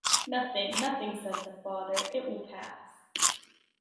Nothing, nothing,” said the father, “it will pass.